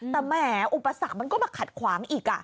แต่แหมออุปสรรคมันก็มาขัดขวางอีก